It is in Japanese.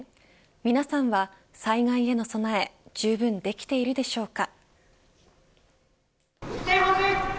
皆さんは、災害への備えじゅうぶんできているでしょうか。